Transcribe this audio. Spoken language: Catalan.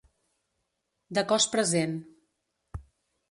De cos present.